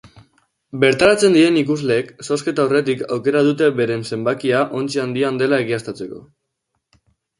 Bertaratzen diren ikusleek zozketa aurretik aukera dute beren zenbakia ontzi handian dela egiaztatzeko.